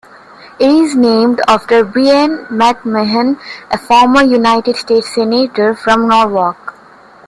It is named after Brien McMahon, a former United States Senator from Norwalk.